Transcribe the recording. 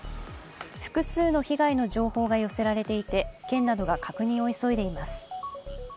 複数の被害の情報が寄せられていて、県などが確認を急いでいます。